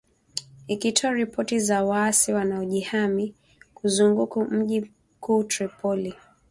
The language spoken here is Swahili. Ikitoa ripoti za waasi wanaojihami kuzunguka mji mkuu Tripoli.